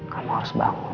kamu harus bangun